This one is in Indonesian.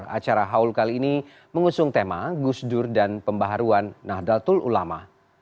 acara haul kali ini mengusung tema gusdur dan pembaharuan nahdlatul ulama